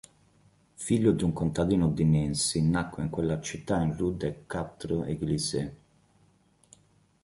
Figlio di un contadino di Nancy, nacque in quella città in rue des Quatre-Églises.